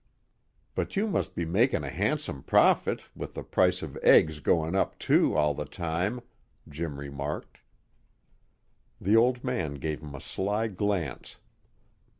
"But you must be making a handsome profit, with the price of eggs going up, too, all the time," Jim remarked. The old man gave him a sly glance.